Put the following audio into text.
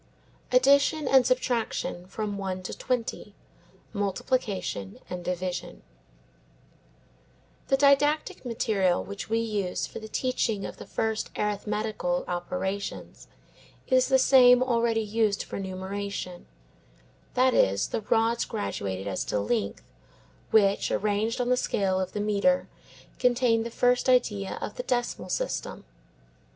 ADDITION AND SUBTRACTION FROM ONE TO TWENTY: MULTIPLICATION AND DIVISION The didactic material which we use for the teaching of the first arithmetical operations is the same already used for numeration; that is, the rods graduated as to length which, arranged on the scale of the metre, contain the first idea of the decimal system.